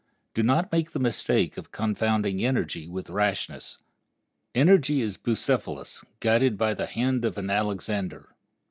Do not make the mistake of confounding energy with rashness. Energy is a Bucephalus, guided by the hand of an Alexander.